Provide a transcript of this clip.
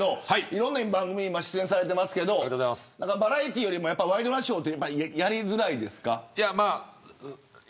いろんな番組に今、出演されていますがバラエティーよりワイドナショーってやりづらいですね。